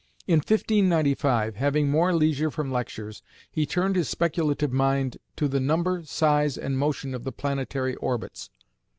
In 1595, having more leisure from lectures, he turned his speculative mind to the number, size, and motion of the planetary orbits.